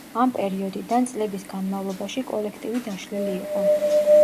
ამ პერიოდიდან, წლების განმავლობაში კოლექტივი დაშლილი იყო.